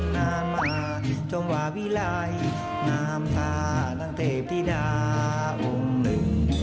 นานมาช่วงวาวิไลน์น้ำตาตั้งเทพธิดาองค์หนึ่ง